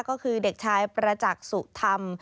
ก็คือเด็กชายประจักษ์สุธรรม